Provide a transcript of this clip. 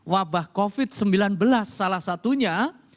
wabah covid sembilan belas salah satunya